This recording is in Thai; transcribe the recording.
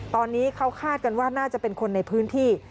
ตอนนี้เขาคาดกันว่าน่าจะเป็นคนในพื้นที่